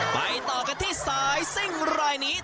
ไปต่อกันที่สายไปแบบนี้